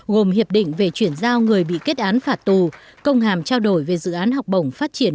gồm hiệp định về chuyển giao người bị kết án phạt tù công hàm trao đổi về dự án học bổng phát triển